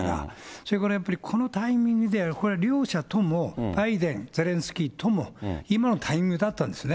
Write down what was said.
それからやっぱりこのタイミングでやる、これは両者とも、バイデン、ゼレンスキーとも、今のタイミングだったんですね。